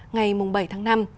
ngày bảy tháng năm